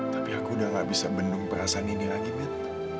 tapi aku udah gak bisa bendung perasaan ini lagi mit